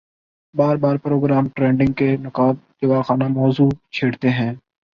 باربار program trading کے نقّاد جواخانہ موضوع چھیڑتے ہیں